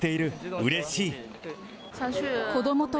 うれしい。